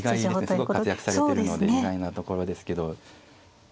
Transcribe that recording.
すごく活躍されてるので意外なところですけど。